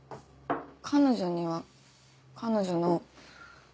彼女には彼女の。